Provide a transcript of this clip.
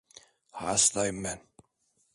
Hastayım ben…